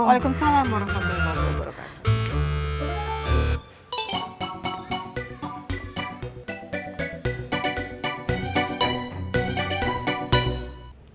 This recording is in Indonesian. waalaikumsalam warahmatullahi wabarakatuh